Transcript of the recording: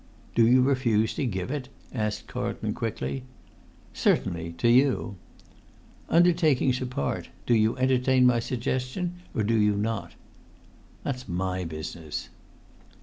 "Do you refuse to give it?" asked Carlton quickly. "Certainly—to you." "Undertakings apart, do you entertain my suggestion, or do you not?" [Pg 112]"That's my business."